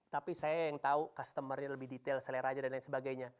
tapi saya yang tahu customer nya lebih detail seleranya dan lain sebagainya